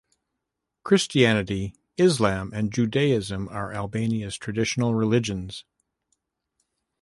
Christianity, Islam, and Judaism are Albania's traditional religions.